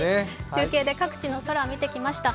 中継で各地の空を見てきました。